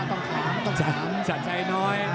ต้องถามสัจใจน้อย